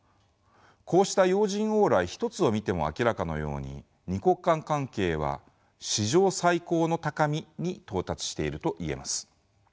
こうした要人往来一つを見ても明らかなように二国間関係は史上最高の高みに到達していると言えます。